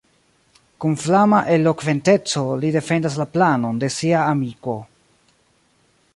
Kun flama elokventeco li defendas la planon de sia amiko.